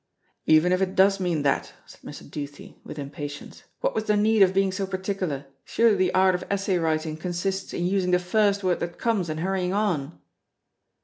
"Even if it does mean that," said Mr. Duthie, with impatience, "what was the need of being so particular? Surely the art of essay writing consists in using the first word that comes and hurrying on."